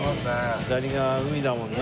左側海だもんね。